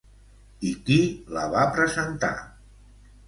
I qui la va presentar?